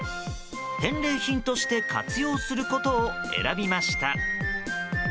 返礼品として活用することを選びました。